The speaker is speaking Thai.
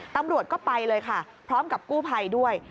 ตำรวจก็ไปเลยค่ะพร้อมกับกู้ภัยด้วย